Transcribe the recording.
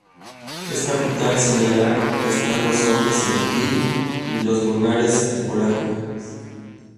Es capital señalar, que están los nombres en latín y los vulgares en polaco.